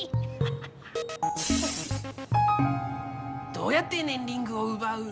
どうやってねんリングをうばう？